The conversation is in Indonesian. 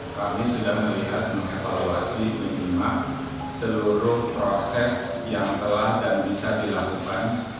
kami sudah melihat mengevaluasi minimal seluruh proses yang telah dan bisa dilakukan